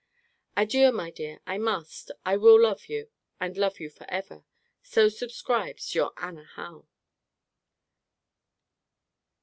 Adieu, my dear! I must, I will love you, and love you for ever! So subscribes your ANNA HOWE.